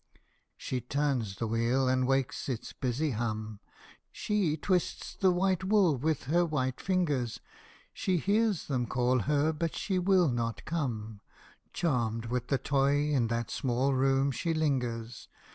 " She turns the wheel and wakes its busy hum, She twists the white wool with her whiter fingers ; She hears them call her, but she will not come : Charmed with the toy, in that small room she lingers.